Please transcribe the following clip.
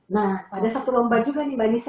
nah pada satu lomba juga nih mbak nisa